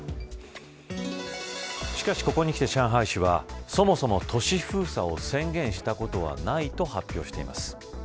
しかし、ここにきて上海市はそもそも都市封鎖を宣言したことはないと発表しています。